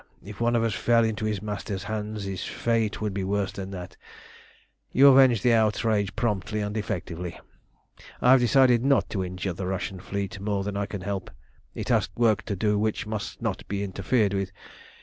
If one of us fell into his master's hands his fate would be worse than that. You avenged the outrage promptly and effectively. "I have decided not to injure the Russian fleet more than I can help. It has work to do which must not be interfered with.